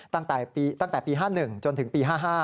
ตั้งแต่ปี๕๑จนถึงปี๕๕